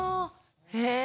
へえ。